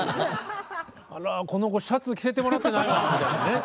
「あらこの子シャツ着せてもらってないわ」みたいなね。